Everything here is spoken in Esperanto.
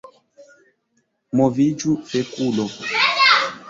Moviĝu fekulo